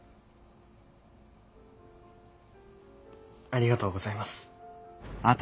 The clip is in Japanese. ありがとうございます。